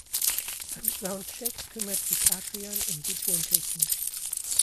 Beim Soundcheck kümmert sich Adrian um die Tontechnik.